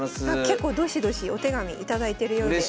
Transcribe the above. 結構どしどしお手紙頂いてるようで。